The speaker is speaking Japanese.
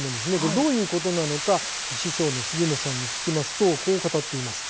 どういうことなのか師匠の杉本さんに聞きますとこう語っています。